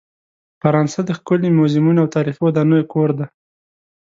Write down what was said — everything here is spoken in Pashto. فرانسه د ښکلې میوزیمونو او تاریخي ودانۍ کور دی.